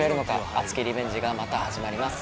熱きリベンジがまた始まります。